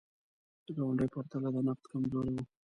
د ګاونډیو په پرتله د نقد کمزوري وه.